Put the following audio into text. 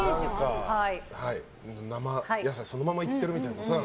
生野菜そのままいってるみたいな。